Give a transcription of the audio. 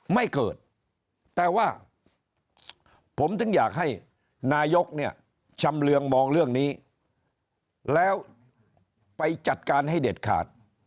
ไม่เกิดแต่ว่าผมถึงอยากให้นายกเนี่ยชำเรืองมองเรื่องนี้แล้วไปจัดการให้เด็ดขาด